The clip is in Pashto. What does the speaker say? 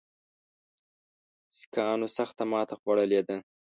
سیکهانو سخته ماته خوړلې ده.